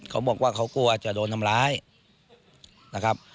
เขาบอกว่าเขากลัวจะโดนทำร้ายนะครับ